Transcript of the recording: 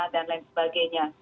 dan lain sebagainya